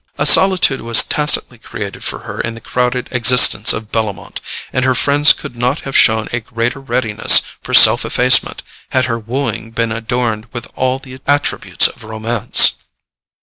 A solitude was tacitly created for her in the crowded existence of Bellomont, and her friends could not have shown a greater readiness for self effacement had her wooing been adorned with all the attributes of romance.